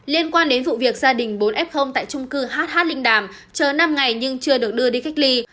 liên quan đến vụ việc gia đình bốn f tại trung cư hh linh đàm chờ năm ngày nhưng chưa được đưa đi cách ly